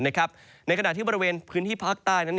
ในขณะที่บริเวณพื้นที่ภาคใต้นั้น